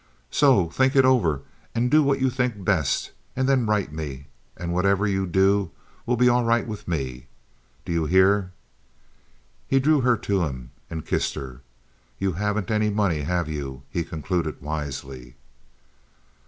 So, think it over, and do what you think best and then write me and whatever you do will be all right with me—do you hear?" He drew her to him and kissed her. "You haven't any money, have you?" he concluded wisely.